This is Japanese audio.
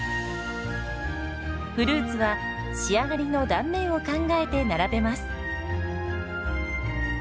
フルーツは仕上がりの断面を考えて並べます。